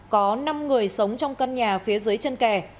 có năm người sống trong căn nhà phía dưới chân kè